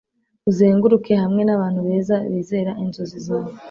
uzenguruke hamwe n'abantu beza bizera inzozi zawe